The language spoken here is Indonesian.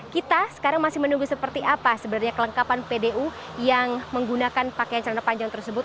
kita sekarang masih menunggu seperti apa sebenarnya kelengkapan pdu yang menggunakan pakaian celana panjang tersebut